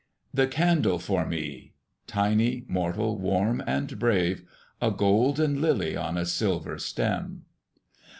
The candle for me, tiny, mortal, warm, and brave, a golden lily on a silver stem!